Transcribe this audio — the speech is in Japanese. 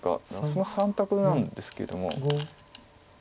その３択なんですけども。